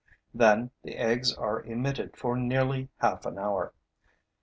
Then the eggs are emitted for nearly half an hour.